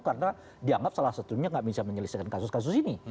karena dianggap salah satunya nggak bisa menyelesaikan kasus kasus ini